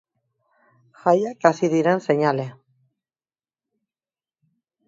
Jaiak hasi diren seinale.